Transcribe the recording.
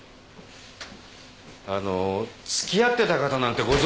あの付き合ってた方なんてご存じないですか？